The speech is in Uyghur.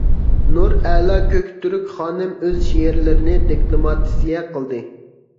نۇرئەلا كۆكتۈرك خانىم ئۆز شېئىرلىرىنى دېكلاماتسىيە قىلدى .